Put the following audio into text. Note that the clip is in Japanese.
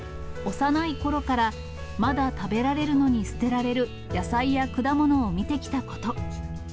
幼いころから、まだ食べられるのに捨てられる野菜や果物を見てきたこと。